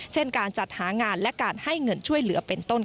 เช่นการจัดหางานและการให้เงินช่วยเหลือเป็นต้น